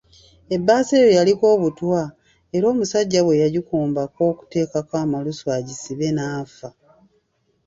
Ebbaasa eyo yaliko obutwa era omusajja bwe yagikombako okuteekako amalusu agisibe n’afa.